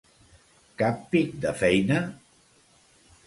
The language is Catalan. Cap pic de feina?”